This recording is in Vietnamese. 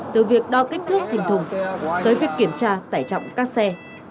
từ việc đo kích thước thành thùng tới việc kiểm tra tải trọng các xe